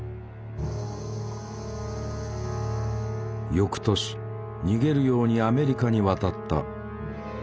翌年逃げるようにアメリカに渡った。